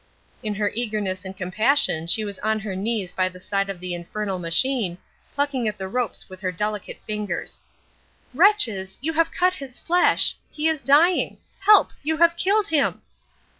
In her eagerness and compassion she was on her knees by the side of the infernal machine, plucking at the ropes with her delicate fingers. "Wretches, you have cut his flesh! He is dying! Help! You have killed him!"